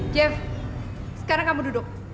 jeff sekarang kamu duduk